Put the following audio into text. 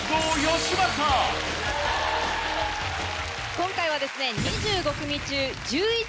今回はですね。